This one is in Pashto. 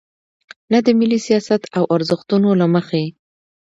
نه د ملي سیاست او ارزښتونو له مخې.